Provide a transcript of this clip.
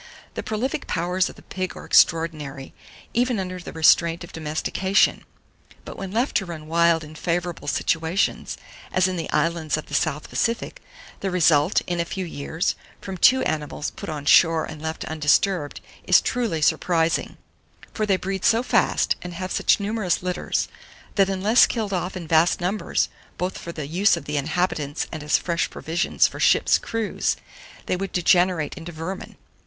The prolific powers of the pig are extraordinary, even under the restraint of domestication; but when left to run wild in favourable situations, as in the islands of the South Pacific, the result, in a few years, from two animals put on shore and left undisturbed, is truly surprising; for they breed so fast, and have such numerous litters, that unless killed off in vast numbers both for the use of the inhabitants and as fresh provisions for ships' crews, they would degenerate into vermin.